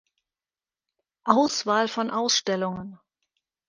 Auswahl von Ausstellungen